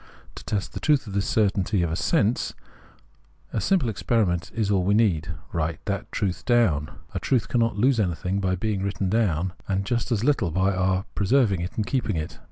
To test the truth of this cer tainty of sense, a simple experiment is all we need : write that truth down. A truth cannot lose anything by being written down, and just as httle by our preserv ing and keeping it.